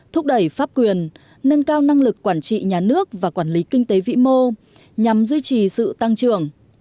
thúc đẩy pháp quyền nâng cao năng lực quản trị nhà nước và quản lý kinh tế vĩ mô nhằm duy trì sự tăng trưởng